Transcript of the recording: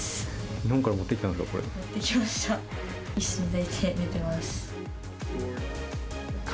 日本から持ってきたんですか？